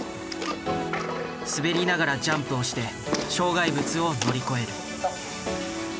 滑りながらジャンプをして障害物を乗り越える。